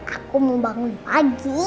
aku mau bangun pagi